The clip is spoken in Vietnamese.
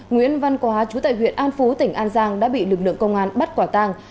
nguyễn văn quá chủ tịch huyện an phú tỉnh an giang đã bị lực lượng công an bắt quả tang